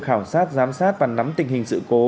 khảo sát giám sát và nắm tình hình sự cố